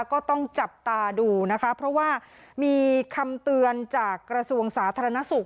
ก็ต้องจับตาดูนะคะเพราะว่ามีคำเตือนจากกระทรวงสาธารณสุข